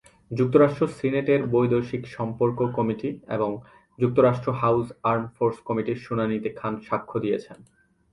যুক্তরাষ্ট্র সিনেটের বৈদেশিক সম্পর্ক কমিটি এবং যুক্তরাষ্ট্র হাউস আর্ম ফোর্স কমিটির শুনানিতে খান সাক্ষ্য দিয়েছেন।